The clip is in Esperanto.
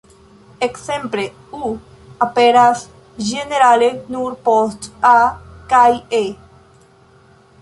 Ekzemple "ŭ" aperas ĝenerale nur post "a" kaj "e".